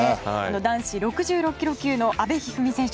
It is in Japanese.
男子６６ｋｇ級の阿部一二三選手